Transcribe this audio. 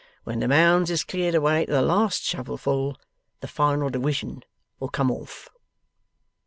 When the Mounds is cleared away to the last shovel full, the final diwision will come off.